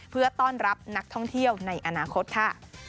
เพื่อต้อนรับนักท่องเที่ยวในอนาคตค่ะ